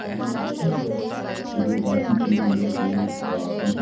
اس کا سفارشی کون ہے۔